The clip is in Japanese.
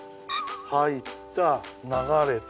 はいった流れた。